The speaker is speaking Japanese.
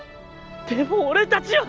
でも俺たちは！